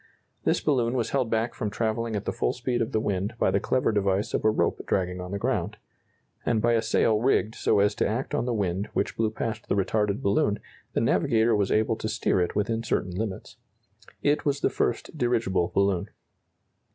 This balloon was held back from travelling at the full speed of the wind by the clever device of a rope dragging on the ground; and by a sail rigged so as to act on the wind which blew past the retarded balloon, the navigator was able to steer it within certain limits. It was the first dirigible balloon.